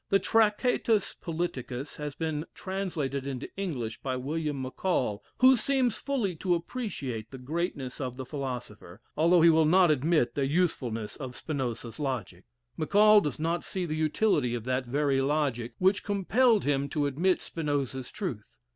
The "Tractatus Politicus" has been translated into English by William Maccall, who seems fully to appreciate the greatness of the philosopher, although he will not admit the usefulness of Spinoza's logic. Maccall does not see the utility of that very logic which compelled him to admit Spinoza's truth.